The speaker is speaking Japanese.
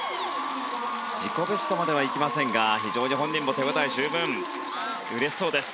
自己ベストまではいきませんが非常に本人も手応え十分でうれしそうです。